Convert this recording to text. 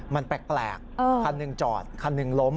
มันแปลกคันหนึ่งจอดคันหนึ่งล้ม